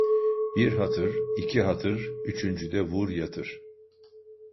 Bir hatır, iki hatır, üçüncüde vur yatır.